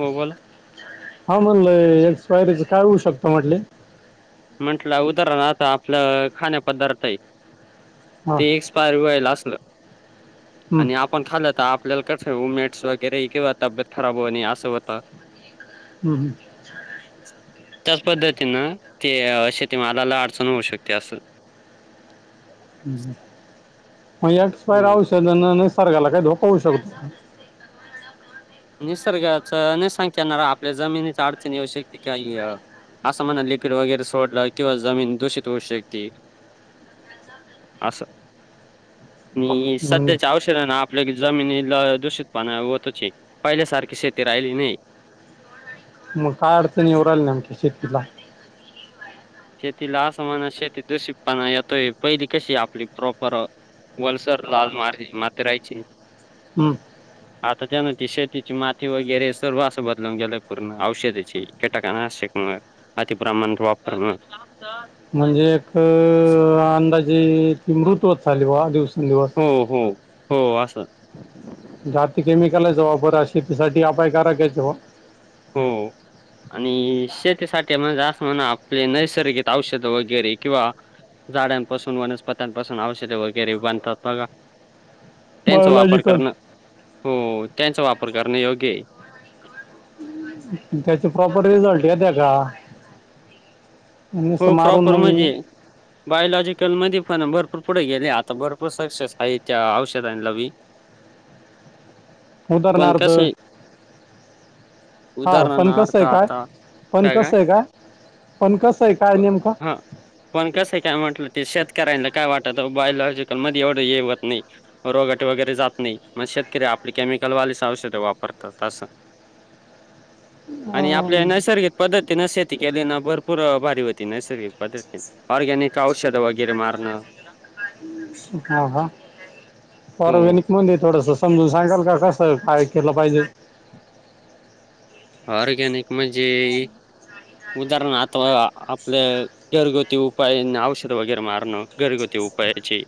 हो बोला हा म्हणलं, एक्सपायरीचं काय होऊ शकतं? म्हटले म्हंटला उदाहरण आता आपलं खाद्यपदार्थ आहे हां ते एक्सपायर व्हायला असलं हं, आणि आपण खाल्लं तर आपल्याला उमेट्स वगैरे किंवा तब्बेत खराब होणे असं होतं हम्म.. हम्.. त्याच पद्धतीनं, ते शेतीमालाला अडचण होऊ शकते असं. मग एक्सपयर हो औषधाना नस सारखाला काय त पाहू शकतो. निसर्गाच नि सांगता येणार आपल्या जमिनीच्या अडचणी येवश्यकते का असा म्हणा लिक्विड वगैरे सोडला किंवा जमीन दूषित होऊ शकते असं आणि हं. सध्याच्या औषधना आपल्या जमिनीला दूषितपणा होतोचय पहिल्यासारखी शेती राहिली नाही. मग काय अडचणीव राहिल आणखी शेतीला. शेतीला असमाना शेती दूषितपणा येतोय पहिली कशी आपली प्रॉपर वलसर लाल मारज माती राहायची. हम्म आता त्यान ती शेतीची माती वगैरे सर्व असं बदलून गेलंय पूर्ण औषधाची कीटाकांनाशक अति ब्राह्ण वापर. म्हणजे एक अ अंदाजी मृतच झाली वा दिवसां हो हो हो असं जात केमिकल आहेचा वापर शेतीसाठी अपायकारक आहे जेव्हा. हो. आणि शेतीसाठी म्हण असं म्हणा आपले नैसर्गिक औषध वगैरे किंवा झाडांपासून वनस्पत्यांपासून औषधे वगैरे बांधतात बघा. त्यांचा वापर बायोलॉजिकल करणं हो त्यांचा वापर करणें योग्य. त्याचा प्रॉपर रिझल्ट येण्याचा? हो प्रॉपर म्हणजे बायलॉजिकल मध्ये पण भरपूर भरपूर पुढे गेले आता भरपूर सक्सेस आहे त्या औषधां ल मी उदरणारारद हा पण कसं उदाहरणार्थ आहे काय आता पण कसं आहे काय? पण कसं आहे काय नेमकं हा पण कसं आहे काय म्हंटलं ते शेत शेतकऱ्यांना काय वाटत बायलॉजिकल मध्ये एवढं हे होत नाही रोगट वगैरे जात नाही मग शेतकरी आपल केमिकलवालीच औषध वापरतातं असं. - [unintelligible] आणि आपल्या अं, नैसर्गिक पद्धतीनं शेती केली ना भरपूर [inaudible] ऑर्गॅनिक औषध वगैरे मारणं. हा हा हो ऑरगॅनिक म्हणेज थोडस. समजून सांगाल का कसं काय केलं पाहिजे? ऑर्गॅनिक म्हणजे? उदाहरण आता आपल्या घरगुती उपायानां औषध वगैरे मारणं घरगुती. उपायाची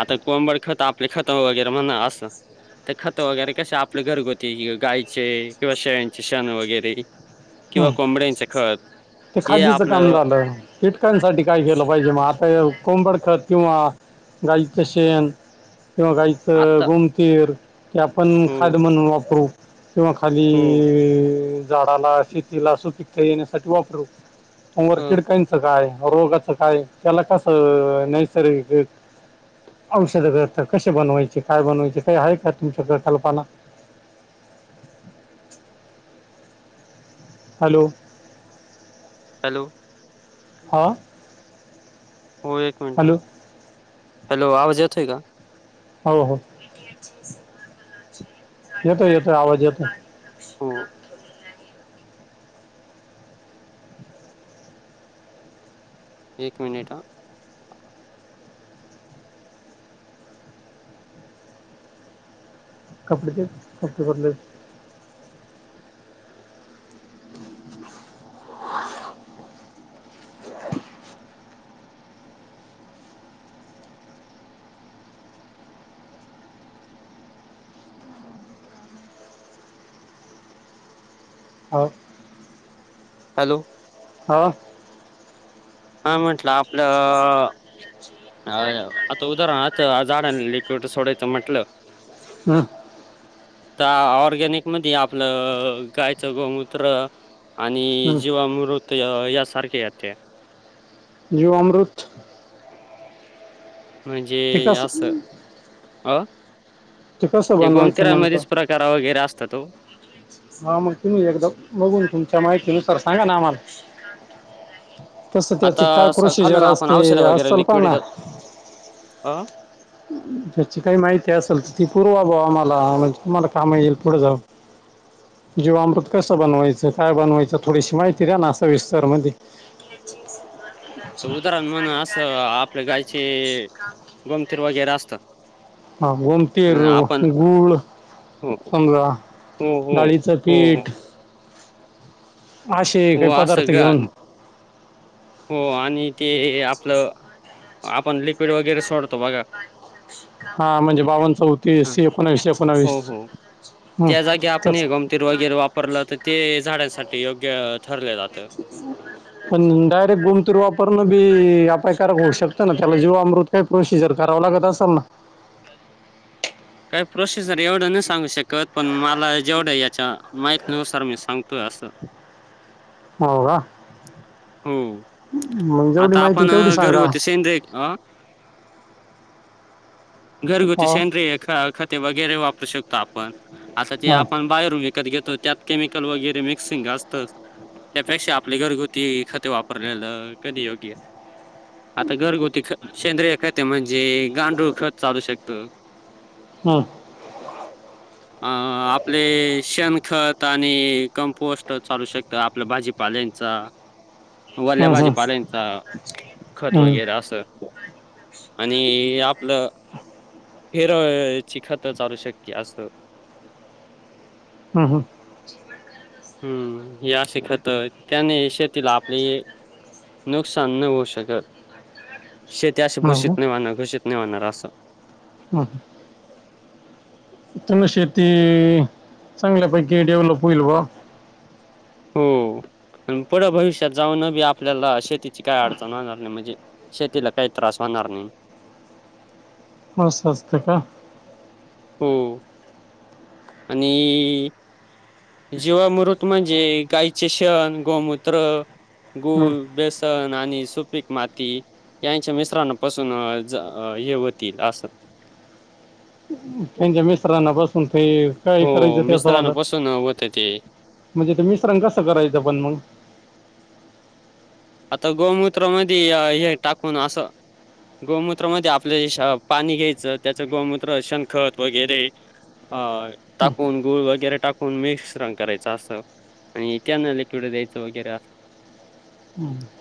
आता कोंबड खत आपले खत वगैरे म्हणा अस. तर खतं वगैरे कसे आपले घरगुती गायचे किंवा शेळ्यांचे शेण वगैरे. किंवा हं. कोंबड्यांचे खत. ते हे खादीच काम आपलं झालं. किटकांसाठी काय केलं पाहिजे? मग आता कोंबड खत किंवा गाईचं शेण किंवा गाईचं आता गुमतीर. - हि आपण हो खाद म्हणून वापरू. किंवा हो खाली झाडाला शेतीला सुपिकता येण्यासाठी वापरू. मग वर ह किडकांचं काय? रोगाच काय? त्याला कासं नैसर्गिक औषध घरात कसे बनवायचे? काय बनवायचे? काही आहे का तुमच्याकड कल्पना? [inaudible] हॅलो! हॅलो! हा! हो एक मिनट ह हॅलो हॅलो आवाज येतोय का? हो हो. येतोय येतोय आवाज येतोय. हो! एक मिनिट हा? कपड़े दे कपड़े बदलयचे आहेत. हो हॅलो हो हा म्हटलं आपलं अ आता उदाहरण आता झाड लिक्विड सोडायचं म्हंटलं. हा आ ऑर्गॅनिक मध्ये आपलं गायचं गोमूत्र आणि हम्म. जीवामृत यासारखे येत्या. जीवामूर्त. म्हणजे कसं असं? अ कसं ते बनवायचं नेमकं गोमखरमध्येच प्रकार वगैरे असतात ओ. हा मग तुम्ही एकदा बघून तुमच्या माहिती नुसार सांगा ना आम्हाला. कसं आता त्याचे काय असं प्रोसिजर खालून आपण असते औषधं वगैरे असलपना लिक्विड अ त्याची काही माहिती असेल तर ती पूर्वा बा आम्हाला म्हणजे आम्हाला काम येईल पुढे जाऊन. जीवामृत कसं बनवायचं काय बनवायचं, थोडीशी माहिती द्या ना सविस्तर मध्ये [inaudible] उदाहरण म्हण असं आपल्या गायचे गोमतीर वगैरे असत. ह गोमतीर, आपण गूळ. हो. समजा हो, हो, डाळीचं हो, हो, पीठ असे हो काही असं पदार्थ घेऊन ग. हो आणि ते आपलं आपण लिक्विड वगैरे सोडतो बघा हा म्हणजे बावन हां, चौतीस एकोणशे हो हो त्या जागी आपण त्याच हे गमतीर वगैरे वापरलं ते झाडांसाठी योग्य ठरलं जातं. पण डायरेक्ट गोमतीर वापरणं ही अपायकारक होऊ शकतं ना त्याला जीवामृत काय प्रोसिजर करावं लागत असल ना? काय प्रसीजर एवढं नाय सांगू शकत पण मला जेवढं याच्या माहि न सर मी सांगतोय असं हो का? हो मग जेवढी आता माहिती आपण तेवढी अ, सांगा. घरगुती सेंद्रिय अ घरगुती हो सेंद्रिय ख खते वगैरे वापरू शकतो आपण आता ते हां आपण बाहेर विक कत घेतो त्यात केमिकल वगैरे मिक्सिंग असतात त्यापेक्षा आपले घरगु ती खते वापरलेलं कधीही योग्य आता घरगुती ख सेंद्रय खते म्हणजे जे गांडूळ खत चालू शकतं. हम्म अ आपले शेणखत आणि कमपोस्ट चालू शकतं आपलं भाजीपाले ल्यांचा वल्या हं, हं. भाजीपालांचा खत हं. वगैरे असं आणि आपलं हेरची खतं चालू शक्य अस हम्म हम्म हम्म ही अशी खतं त्याने शेतीला आपले नुकसान नई होवू शकत. शेती अस भूषित हो का? नाही व्हणार घूषित नाही व्हणार असं. हं हं तुमी शेती इइ. चांगल्यापैकी डेव्हलप होईल बुवा हो अन् पुढं भविष्यात जाऊन बी आपल्याला शेतीची काय अडचण होणार नाही म्हणजे शेतीला काय त्रास होणार नई. हो असतंय का हो आणि जीवामृत म्हणजे गायचे शेण गोमूत्र हं. गुळ बेसन आणि सुपीक माती यांच्या मिश्रणापासून ज- य हुतील असं. त्यांच्या मिश्रणापासून ते काय हो, करायचं ते असं वाल मिश्रणापासून होतं ते. म्हणजे ते मिश्रण कसं करायचं पण मंग आता गोमूत्र मध्ये य-हे टाकून असं. गोमूत्र मधे आपल्या हेश पाणी घ्यायचं त्याच गोमूत्र शेणखत वगैरे अ टाकून गुळ वगैरे टाकून मिक्स श्रण करायचं असं आणि त्यान लिक्विड द्यायचं वगैरे असं.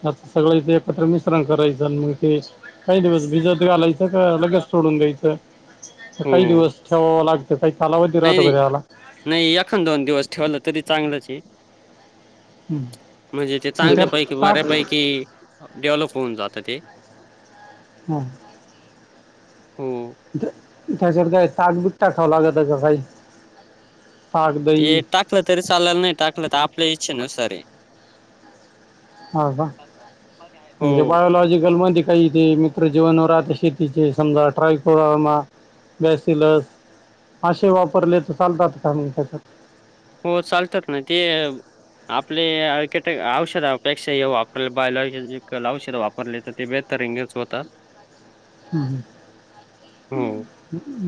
आता सगळ एकत्र मिश्रण करायचं मग ते काही दिवस भिजत घालायचं. त [unintelligible] लगेच सोडून घ्यायचं काही हो. दिवस ठेवावा लागत. नाही नाही नाही एखांद दोन दिवस ठेवलं तरी चांगलंचे हम्म. म्हजी ते चांगल्यापैकी बऱ्यापैकी डेव्हलप होऊन जात ते हा. हो. तझ्यात काय ताकबीक टाकावं लागतं का काय? ते टाकलं तरी चालण नाही टाकलं तर आपल्या इच्छेनुसाराय् हा का म्हणजे बायलॉजिकल म्हणती काही ते मित्र जीवनावर शेतीचे समजा ट्राय कर. बॅसिलस असे वापरले तर चालतात काम त्याच्यात हो चालत ना ते आपले औषधापेक्षा वापर बा औषध वापरले तर ते ब रिंगेच होता. ह हो.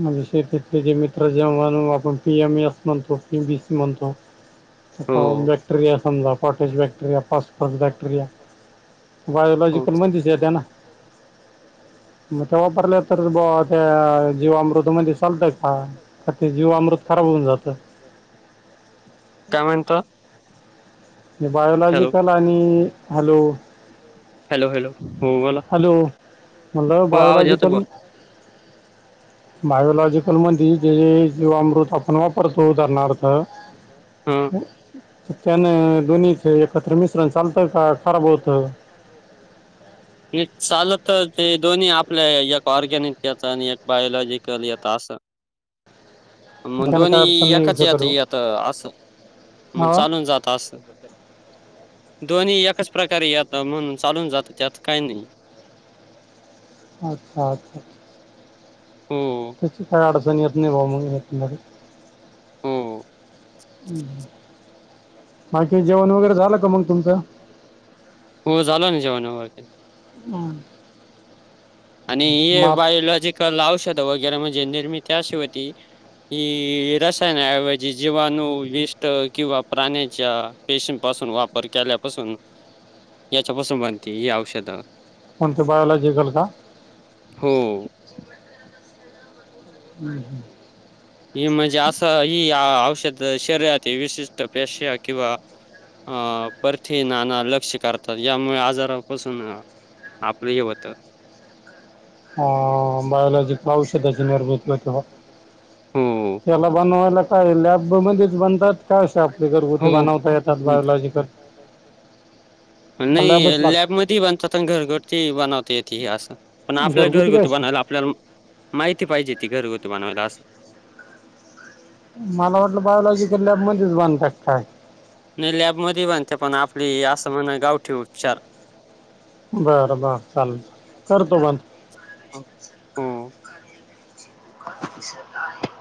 मष जमीन जेवन आपण पी एम एस म्हणतो पी बीसी म्हणतो हो. बॅक्टरि कॉटेज बॅक्टर पा हो. बायलाॉजिकल म्ह ना. वापरल्या तर त्या जीवामृतमध्येध्ये चालतय का ते जीवामृत खराब होऊन जात. कमन तो बायोलॉजिकल आणि हॅलो. हॅलो हॅलो हो बोला हॅलो मला हो आवाज येतो बयोलाॉजिकल ब बयलाॉजी ल म्ह ज जीवा अमृत आपण वापरतो उदाहरणार्थ हा [unintelligible] त्यान दोनीचे एकत्र मिश्रण चालतं का खराब होत. म चालत. तर हे दोन्ही आपल्या एक ऑर्गॅनिक याच आणि एक बायलॉजिकल याचा असं. रीकाम आहे. मग दोन्ही एकाच यात अस म हा चालून जात. रीकाम आहे. दोन्ही एच प्रकारे येतात म्हणून चालून जातात त्यात काही नाही. अच्छा अच्छा. हो काणी हो. बाकी जेवण वगैरे झालं का मग तुमचं. हो झाल ना जेवणा वैे हम. आणि बायोलॉजिकल औषधं वगैरे म्हणजे निर्मि त्याशिवायती हि रसायनाऐवजी जीवाणूविष्ट किंवा प्राण्याच्या पेशी वापर केल्यापासून याच्यापासून बनती ही औषधं. कोणते बायोलॉजिकल का? हो. हम् हम् ही म्हणजे.. असं ही... औषध शरीरात विशिष्ट पेश्या किंवा अं परथीनाना लक्ष करतात, यामुळे आजारापासून आपलं हे होतं अ... बायोलॉजीक औषधाची हो निर्मिती होते बघ त्याला बनवायला काय लॅबमध्येच बनतात काय... अशे आपले घरगुती बनवता येतात बायोलॉजीकल? [unintelligible] नई... लागतात लॅबमध्ये बनतात अन घरगुती बनवता येती असं पण आपल्या काय घरगुती अशी बनवायला आपल्याला माहिती पाहिजे ती घरगुती बनवायला असल मला वाटलं बायोलॉजीकल लॅब मध्येच बनतात काय नाही लॅबमध्ये बनत्या पण आपली असं म्हणायला गावठी उपचार बरं बर चालल चालल करतो बंद हो.. हो. [unintelligible] दिसत आहे.